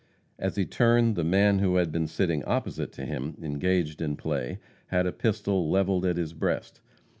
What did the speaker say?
As he turned, the man who had been sitting opposite to him, engaged in play, had a pistol leveled at his breast.